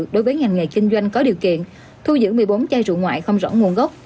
đối với ngành nghề kinh doanh có điều kiện thu giữ một mươi bốn chai rượu ngoại không rõ nguồn gốc